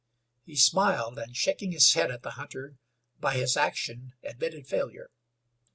He smiled, and, shaking his head at the hunter, by his action admitted failure.